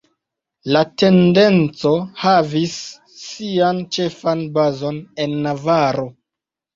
La tendenco havis sian ĉefan bazon en Navaro.